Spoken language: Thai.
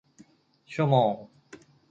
ชั่วโมง